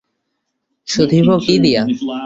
শুধিব কী দিয়া?